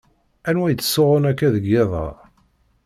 Anwa yettsuɣun akka deg iḍ-a?